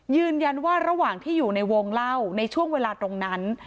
ยืนยันว่าระหว่างที่อยู่ในวงเล่าในช่วงเวลาตรงนั้น